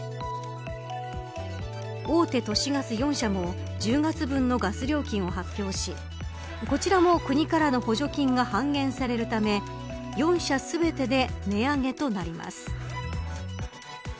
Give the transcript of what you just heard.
大手都市ガス４社も１０月分のガス料金を発表しこちらも国からの補助金が半減されるため４社全てで値上げとなります。